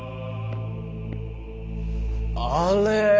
「あれ？